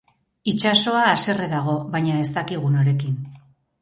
Itsasoa haserre dago, baina ez dakigu norekin.